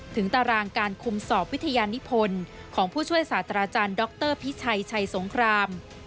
ตารางการคุมสอบวิทยานิพลของผู้ช่วยศาสตราจารย์ดรพิชัยชัยสงคราม